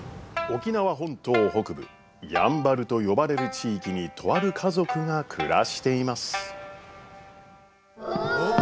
沖縄本島北部やんばると呼ばれる地域にとある家族が暮らしています。